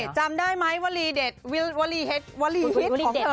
จำได้ไหมวลีเด็ดวลีเห็ดวลีเห็ดของเธอ